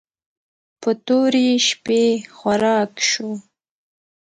په تورې شپې خوراک شو.